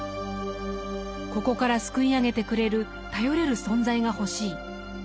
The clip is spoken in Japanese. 「ここから救い上げてくれる頼れる存在が欲しい」。